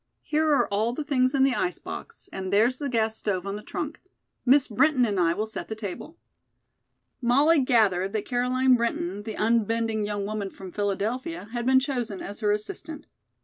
Here are all the things in the ice box, and there's the gas stove on the trunk. Miss Brinton and I will set the table." Molly gathered that Caroline Brinton, the unbending young woman from Philadelphia, had been chosen as her assistant.